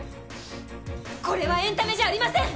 これはエンタメじゃありません！